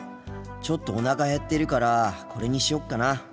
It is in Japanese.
ちょっとおなかへってるからこれにしよっかな。